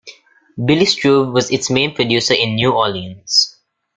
Billy Struve was its main producer in New Orleans.